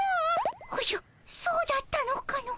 おじゃそうだったのかの。